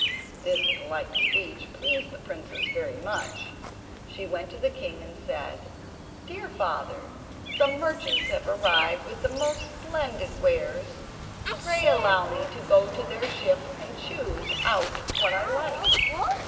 This polite speech pleased the princess very much. She went to the king and said: "Dear father, some merchants have arrived with the most splendid wares. Pray allow me to go to their ship and choose out what I like."